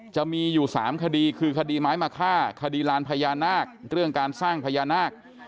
จะมีอยู่๓คดีคือคดีไม้มะค่าคดีลานพญานาคเรื่องการสร้างพญานาค